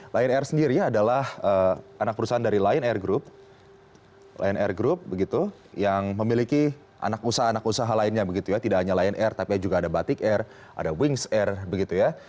lion air sendiri adalah anak perusahaan dari lion air group lion air group begitu yang memiliki anak usaha anak usaha lainnya begitu ya tidak hanya lion air tapi juga ada batik air ada wings air begitu ya